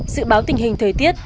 dự báo tình hình thời tiết